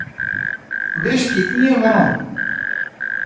Wiskje ien werom.